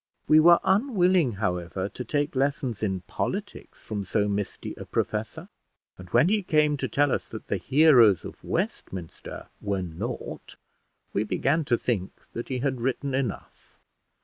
We were unwilling, however, to take lessons in politics from so misty a professor; and when he came to tell us that the heroes of Westminster were naught, we began to think that he had written enough.